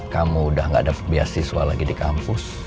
kamu udah gak dapat beasiswa lagi di kampus